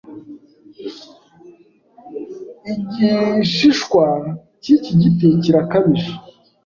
Igishishwa cyiki giti kirakabije.